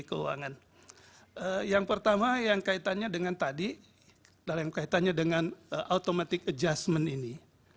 keuangan yang pertama yang kaitannya dengan tadi dalam kaitannya dengan automatic adjustment ini